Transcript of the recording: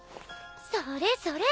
それそれ！